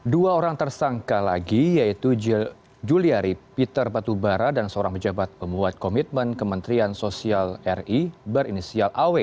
dua orang tersangka lagi yaitu juliari peter batubara dan seorang pejabat pembuat komitmen kementerian sosial ri berinisial aw